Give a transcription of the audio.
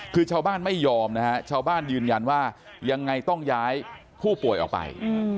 คือชาวบ้านไม่ยอมนะฮะชาวบ้านยืนยันว่ายังไงต้องย้ายผู้ป่วยออกไป